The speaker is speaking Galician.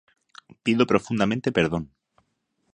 Pido profundamente perdón.